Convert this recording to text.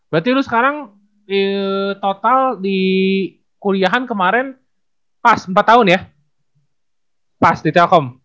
berarti lu sekarang total di kuliahan kemarin pas empat tahun ya pas di telkom